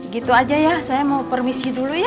gitu aja ya saya mau permisi dulu ya